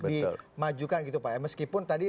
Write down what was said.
dimajukan gitu pak ya meskipun tadi